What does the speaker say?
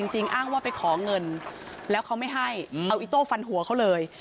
อ้างว่าไปขอเงินแล้วเขาไม่ให้เอาอิโต้ฟันหัวเขาเลย